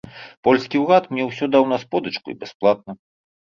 Польскі ўрад мне ўсё даў на сподачку і бясплатна.